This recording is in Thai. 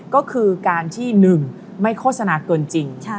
ก็คือการที่๑ไม่โฆษณาเกินจริง